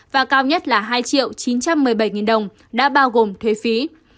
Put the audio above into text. và cao nhất là hai chín trăm một mươi bảy đồng đã bao gồm thuế phí